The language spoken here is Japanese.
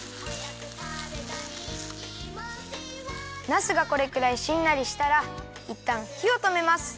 ナスがこれくらいしんなりしたらいったんひをとめます。